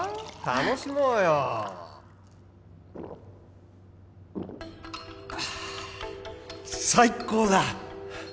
楽しもうよああ最高だ！